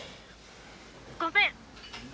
ごめん。